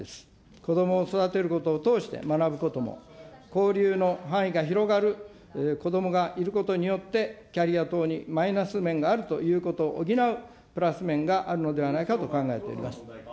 子どもを育てることを通して学ぶことも、交流の範囲が広がる、子どもがいることによって、キャリア等にマイナス面があるということを補うプラス面があるのではないかと考えています。